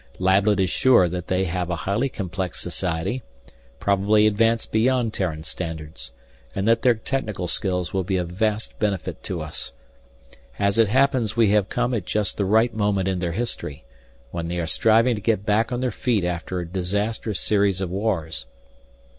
Lablet is sure that they have a highly complex society, probably advanced beyond Terran standards, and that their technical skills will be of vast benefit to us. As it happens we have come at just the right moment in their history, when they are striving to get back on their feet after a disastrous series of wars.